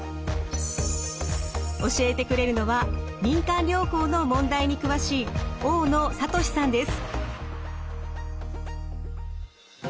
教えてくれるのは民間療法の問題に詳しい大野智さんです。